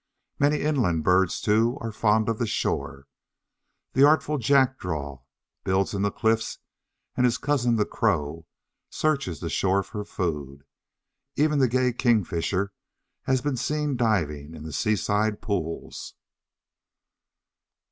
Many inland birds, too, are fond of the shore. The artful Jackdaw builds in the cliffs, and his cousin, the Crow, searches the shore for food. Even the gay Kingfisher has been seen diving in the seaside pools.